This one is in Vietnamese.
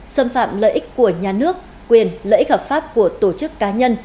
xâm phạm lợi ích của nhà nước quyền lợi ích hợp pháp của tổ chức cá nhân